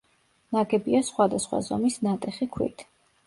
ნაგებია სხვადასხვა ზომის ნატეხი ქვით.